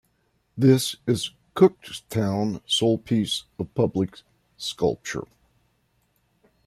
This is Cookstown's sole piece of public sculpture.